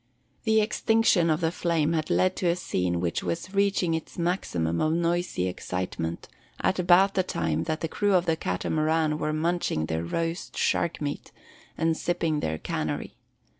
The extinction of the flame had led to a scene which was reaching its maximum of noisy excitement at about the time that the crew of the Catamaran were munching their roast shark meat and sipping their canary.